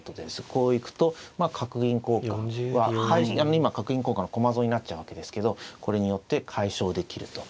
こう行くとまあ角銀交換は今角銀交換駒損になっちゃうわけですけどこれによって解消できると。